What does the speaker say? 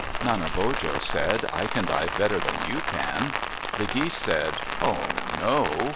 Nanebojo said, "I can dive better than you can." The geese said, "Oh, no!"